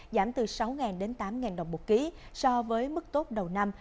giảm từ sáu đến tám đồng một ký so với mức tốt đầu năm